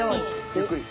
ゆっくり。